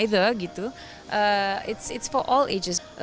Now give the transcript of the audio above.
ini untuk semua umur